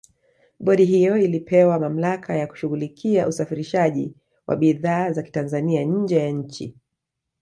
Bodi hiyo ilipewa mamlaka ya kushughulikia usafirishaji wa bidhaa za kitanzania nje ya nchi